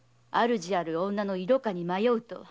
主ある女の色香に迷うとは。